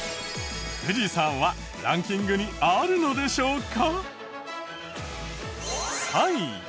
富士山はランキングにあるのでしょうか？